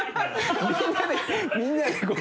みんなでみんなでこう。